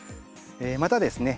またですね